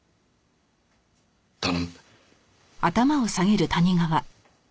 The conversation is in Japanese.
頼む。